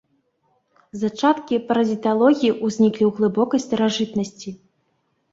Зачаткі паразіталогіі ўзніклі ў глыбокай старажытнасці.